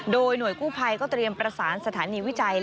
โดยหน่วยกู้ภัยก็เตรียมประสานสถานีวิจัย